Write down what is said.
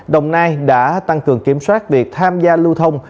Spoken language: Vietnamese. đồng nai đã tăng cường kiểm soát việc tham gia lưu thông